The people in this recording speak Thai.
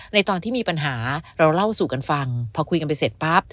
ในตอนที่มีปัญหาเราเล่าสู่กันฟังพอคุยกันไปเสร็จปั๊บ